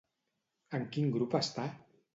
En quin grup està?